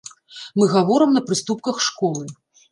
Мы гаворым на прыступках школы.